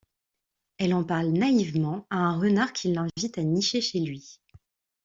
Elle en parle naïvement à un renard qui l'invite à nicher chez lui.